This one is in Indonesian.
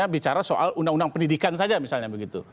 bicara soal undang undang pendidikan saja misalnya begitu